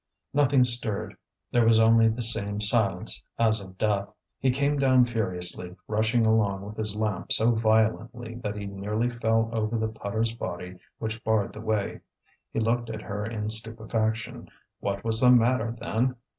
Nothing stirred, there was only the same silence, as of death. He came down furiously, rushing along with his lamp so violently that he nearly fell over the putter's body which barred the way. He looked at her in stupefaction. What was the matter, then?